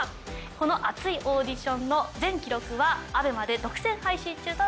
この熱いオーディションの全記録はＡＢＥＭＡで独占配信中となっています。